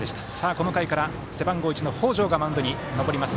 この回から、背番号１の北條がマウンドに上ります。